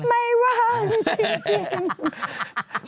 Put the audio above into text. ไม่ว่างจริง